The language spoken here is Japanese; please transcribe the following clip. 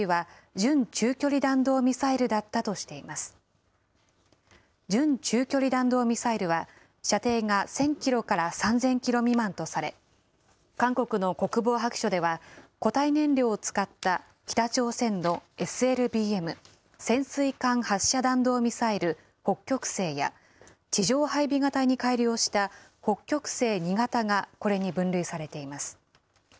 準中距離弾道ミサイルは射程が１０００キロから３０００キロ未満とされ、韓国の国防白書では、固体燃料を使った北朝鮮のＳＬＢＭ・潜水艦発射弾道ミサイル北極星や、地上配備型に改良した北極星２型がこれに分類されています。